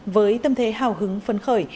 với tâm thế hào hứng phấn khởi